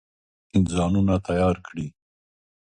ځانونه تیار کړي.